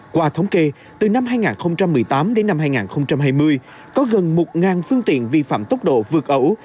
qua thống kê từ năm hai nghìn một mươi tám đến năm hai nghìn hai mươi có gần một phương tiện vi phạm tốc độ vượt ẩu